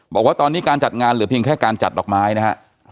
บอกว่าตอนนี้การจัดงานเหลือเพียงแค่การจัดดอกไม้นะฮะ